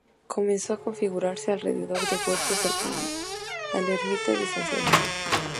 Comenzó a configurarse alrededor de huertas cercanas a la Ermita de San Sebastián.